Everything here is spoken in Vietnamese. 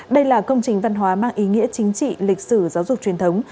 đây là công trình văn hóa mang ý nghĩa chính trị lịch sử giáo dục truyền thống